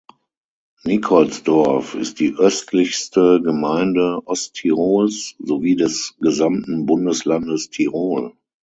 Nikolsdorf ist die östlichste Gemeinde Osttirols sowie des gesamten Bundeslandes Tirol.